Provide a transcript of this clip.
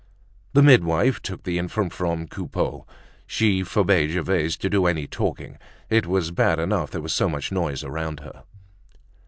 The midwife took the infant from Coupeau. She forbade Gervaise to do any talking; it was bad enough there was so much noise around her.